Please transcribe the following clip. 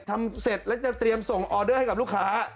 เสร็จแล้วจะเตรียมส่งออเดอร์ให้กับลูกค้า